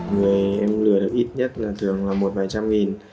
người em lừa được ít nhất là thường là một vài trăm nghìn